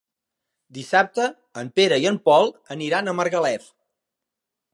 Dissabte en Pere i en Pol aniran a Margalef.